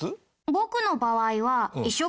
僕の場合はああ